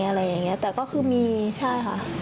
หรอหรือเปล่า